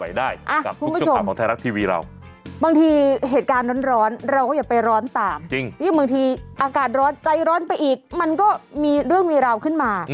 เอ้าคุณผู้ชมบางทีเหตุการณ์ร้อนร้อนเราอย่าไปร้อนตามบางทีอากาศร้อนใจร้อนไปอีกมันก็มีเรื่องร้อนขึ้นมา